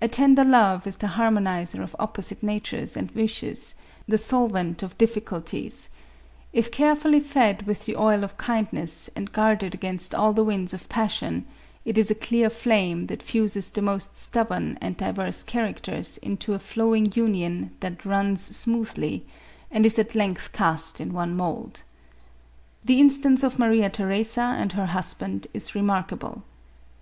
A tender love is the harmonizer of opposite natures and wishes, the solvent of difficulties ; if carefully fed with the oil of kindness, and guarded against all the winds of passion, it is a clear flame that fuses the most stubborn and diverse characters into a flowing union that " runs smoothly," and is at length cast in one mould. The instance of Maria Theresa and her husband is remarkable.